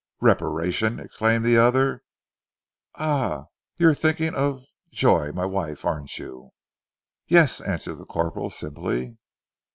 "Reparation!" exclaimed the other. "Ah! you are thinking of Joy my wife, aren't you?" "Yes," answered the corporal simply.